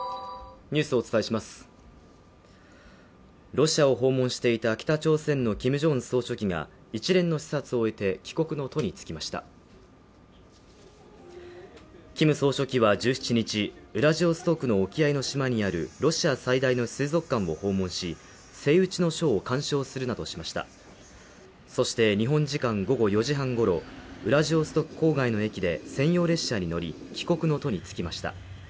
ロシアを訪問していた北朝鮮の金正恩総書記が一連の視察を終えて帰国の途に就きました金総書記は１７日ウラジオストクの沖合の島にあるロシア最大の水族館を訪問しセイウチのショーを鑑賞するなどしましたそして日本時間午後４時半ごろウラジオストク郊外の駅で専用列車に乗り帰国の途に就きました